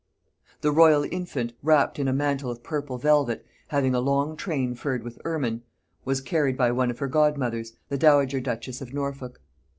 The royal infant, wrapped in a mantle of purple velvet, having a long train furred with ermine, was carried by one of her godmothers, the dowager duchess of Norfolk.